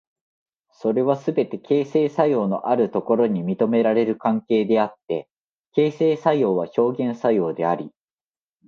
それはすべて形成作用のあるところに認められる関係であって、形成作用は表現作用であり、